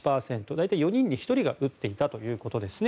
大体４人に１人が打っていたということですね。